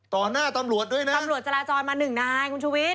ต่อหน้าตำรวจด้วยนะมีคุณชุวิตตำรวจจาราจรมา๑นาย